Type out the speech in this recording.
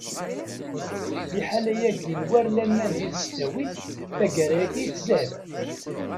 Liḥala-agi n war laman di tesdawit taggara-agi, tzad.